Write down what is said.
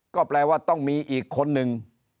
ก็แปลว่าต้องมีอีกคนนึง